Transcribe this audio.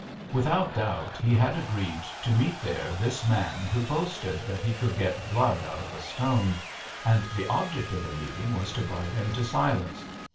Without doubt he had agreed to meet there this man who boasted that he could get blood out of a stone, and the object of the meeting was to bribe him to silence.